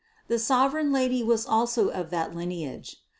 The sovereign Lady was also of that lineage.